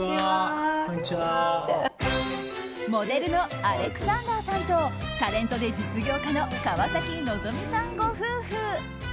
モデルのアレクサンダーさんとタレントで実業家の川崎希さんご夫婦。